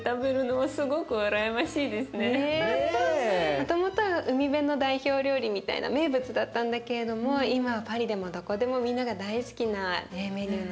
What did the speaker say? もともとは海辺の代表料理みたいな名物だったんだけれども今はパリでもどこでもみんなが大好きなメニューなんだ。